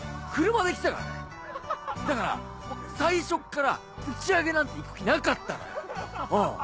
だから最初から打ち上げなんて行く気なかったのようん。